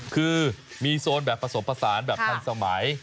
คือมีโซนแบบผสมผสานแบบทันสมัย